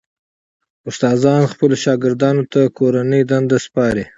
استادان خپلو شاګردانو ته کورنۍ دندې سپاري.